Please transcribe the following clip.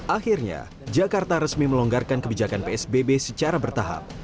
akhirnya jakarta resmi melonggarkan kebijakan psbb secara bertahap